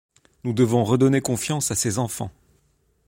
Nous devons redonner confiance à ces enfants.